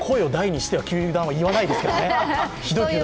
多分、声を大にしては球団は言わないですけどね。